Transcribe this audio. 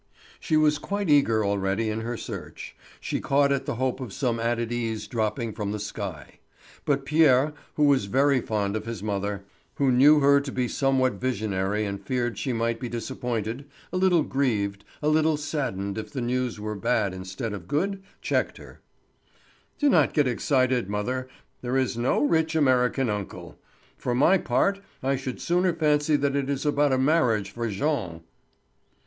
She was quite eager already in her search; she caught at the hope of some added ease dropping from the sky. But Pierre, who was very fond of his mother, who knew her to be somewhat visionary and feared she might be disappointed, a little grieved, a little saddened if the news were bad instead of good, checked her: "Do not get excited, mother; there is no rich American uncle. For my part, I should sooner fancy that it is about a marriage for Jean."